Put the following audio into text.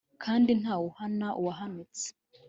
Kandi ntawe uhana uwahanutse!